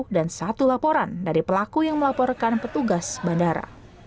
dan satu laporan dari pelaku yang melaporkan petugas bandara